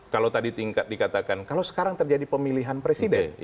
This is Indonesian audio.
kalau tadi tingkat dikatakan kalau sekarang terjadi pemilihan presiden